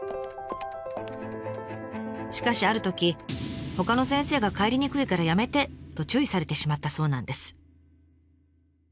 しかしあるときほかの先生が帰りにくいからやめて！と注意されてしまったそうなんです。